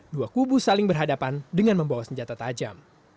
dua kubu saling berhadapan dengan membawa senjata tajam